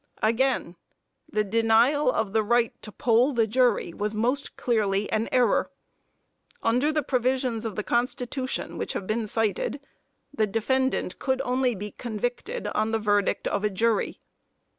Again. The denial of the right to poll the jury was most clearly an error. Under the provisions of the constitution which have been cited, the defendant could only be convicted on the verdict of a jury.